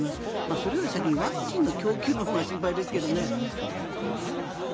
それより先にワクチンの供給のほうが心配ですけどね。